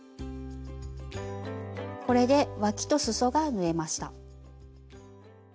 これでわきとすそが縫えました。